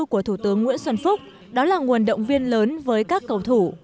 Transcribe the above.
của thủ tướng nguyễn xuân phúc đó là nguồn động viên lớn với các cầu thủ